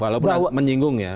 walaupun menyinggung ya